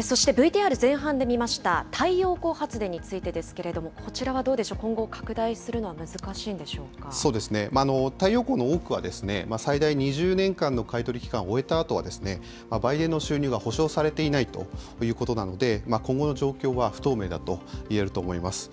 そして、ＶＴＲ前半で見ました太陽光発電についてですけれども、こちらはどうでしょう、今後そうですね、太陽光の多くは、最大２０年間の買い取り期間を終えたあとは、売電の収入が保証されていないということなので、今後の状況は不透明だといえると思います。